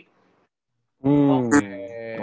kalau enggak di pik